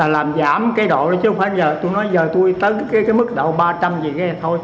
làm giảm cái độ đó chứ không phải giờ tôi nói giờ tôi tới cái mức độ ba trăm linh gì kia thôi